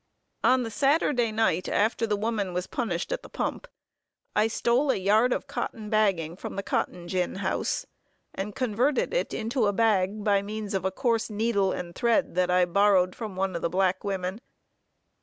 On the Saturday night after the woman was punished at the pump, I stole a yard of cotton bagging from the cotton gin house, and converted it into a bag, by means of a coarse needle and thread that I borrowed of one of the black women.